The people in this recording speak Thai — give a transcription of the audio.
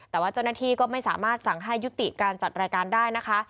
แต่ว่าเจ้าหน้าที่ก็ไม่สามารถสั่งให้ยุติการจัดรายการได้นะคะ